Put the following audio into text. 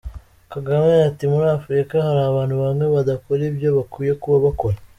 Kagame ati muri Afrika hari abantu bamwe badakora ibyo bakwiye kuba bakora.